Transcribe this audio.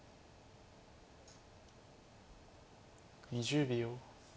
２０秒。